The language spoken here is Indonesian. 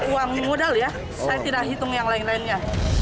uang modal ya saya tidak hitung yang lain lainnya